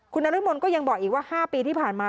คุณนรมนก็ยังบอกอีกว่า๕ปีที่ผ่านมา